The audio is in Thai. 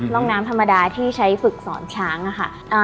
ร่องน้ำธรรมดาที่ใช้ฝึกสอนช้างค่ะ